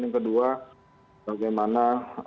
yang kedua bagaimana